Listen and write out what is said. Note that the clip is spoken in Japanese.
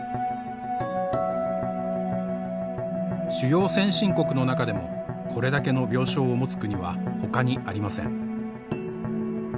主要先進国の中でもこれだけの病床を持つ国はほかにありません。